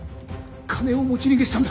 金を持ち逃げしたんだ。